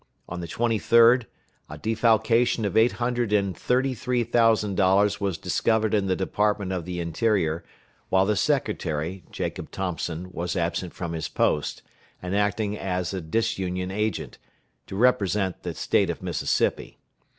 On the 23d, a defalcation of eight hundred and thirty three thousand dollars was discovered in the Department of the Interior, while the Secretary, Jacob Thompson, was absent from his post, and acting as a disunion agent, to represent the State of Mississippi.